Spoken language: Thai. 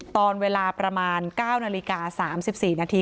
ตอนเวลาประมาณ๙นาฬิกา๓๔นาที